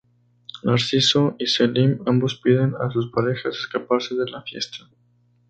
Narciso y Selim ambos piden a sus parejas escaparse de la fiesta.